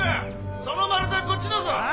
その丸太はこっちだぞああ